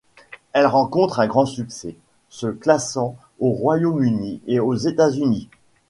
Elle rencontre un grand succès, se classant au Royaume-Uni et aux États-Unis.